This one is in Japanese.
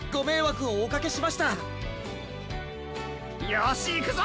よしいくぞ！